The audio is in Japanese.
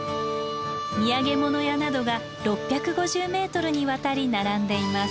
土産物屋などが６５０ｍにわたり並んでいます。